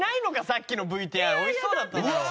さっきのＶＴＲ美味しそうだっただろう。